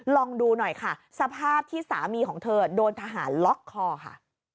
ลองดูหน่อยค่ะสภาพที่สามีของเธอโดนทหารล็อกคอค่ะ